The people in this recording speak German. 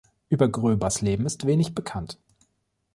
Über Gröbers Leben ist wenig bekannt.